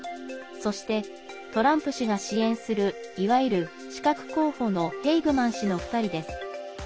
そして、トランプ氏が支援するいわゆる刺客候補のヘイグマン氏の２人です。